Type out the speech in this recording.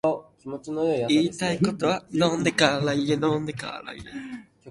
言いたいことも言えないこんな世の中